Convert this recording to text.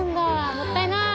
もったいない！